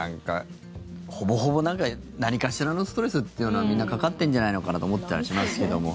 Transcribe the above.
ほぼほぼ何かしらのストレスっていうのはみんなかかってんじゃないのかなと思ったりしますけども。